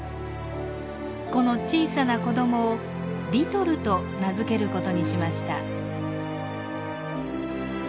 この小さな子どもをリトルと名付ける事にしました。